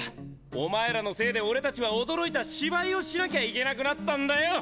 お前らのせいで俺たちは驚いた芝居をしなきゃいけなくなったんだよ！